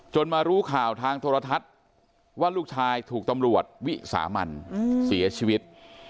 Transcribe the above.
มารู้ข่าวทางโทรทัศน์ว่าลูกชายถูกตำรวจวิสามันเสียชีวิต